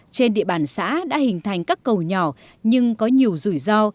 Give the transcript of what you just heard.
trên địa bàn xã đã hình thành các cầu nhỏ nhưng có nhiều rủi ro